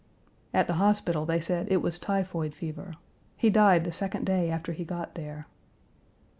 At the hospital they said it was typhoid fever. He died the second day after he got there.